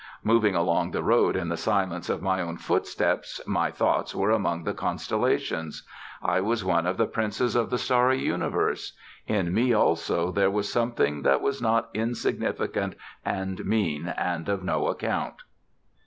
Moving along the road in the silence of my own footsteps, my thoughts were among the Constellations. I was one of the Princes of the starry Universe; in me also there was something that was not insignificant and mean and of no account.